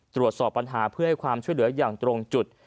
ตรวจสอบปัญหาเพื่อให้ความช่วยเหลืออย่างตรงจุด